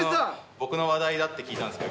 僕の話題だって聞いたんですけど。